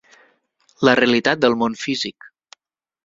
La realitat del món físic.